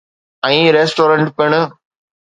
۽ Restaurant پڻ.